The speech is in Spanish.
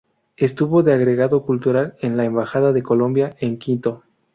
Estuvo de agregado cultural en la Embajada de Colombia en Quito.